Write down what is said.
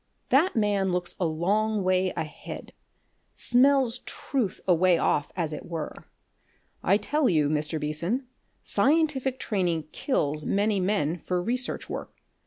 That man looks a long way ahead smells truth away off, as it were. I tell you, Mr. Beason, scientific training kills many men for research work.